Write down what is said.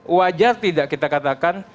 wajar tidak kita katakan